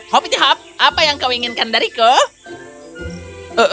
hopi hopi apa yang kau inginkan dariku